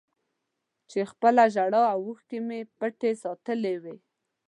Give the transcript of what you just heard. چې خپله ژړا او اوښکې مې پټې ساتلې وای